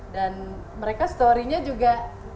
dan mereka story nya juga